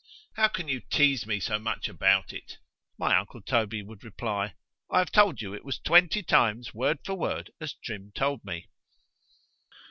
——How can you teaze me so much about it? my uncle Toby would reply—I have told it you twenty times, word for word as Trim told it me.